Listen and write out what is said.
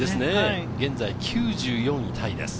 現在９４位タイです。